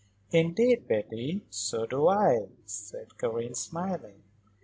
"Indeed, Betty, so do I," said Karen, smiling.